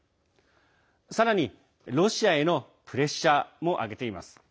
さらに、ロシアへのプレッシャーも挙げています。